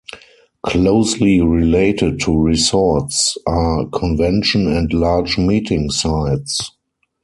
Closely related to resorts are convention and large meeting sites.